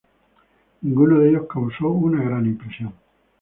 Ninguno de ellas causó una gran impresión.